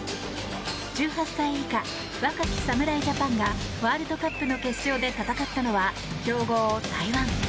１８歳以下、若き侍ジャパンがワールドカップの決勝で戦ったのは強豪、台湾。